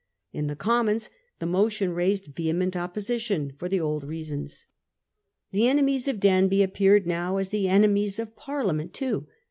In the Commons the motion raised vehement opposition, for the old reasons. The enemies of Danby appeared now as the enemies of Parliament too.